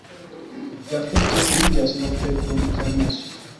La festo finiĝas nokte kun kermeso.